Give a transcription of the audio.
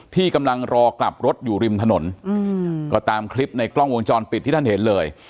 ที่กำลังรอกลับรถอยู่ริมถนนอืมก็ตามคลิปในกล้องวงจรปิดที่ท่านเห็นเลย